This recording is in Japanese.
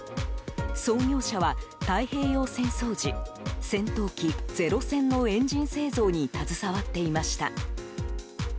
創業者は太平洋戦争時戦闘機、ゼロ戦のエンジン製造に携わっていました。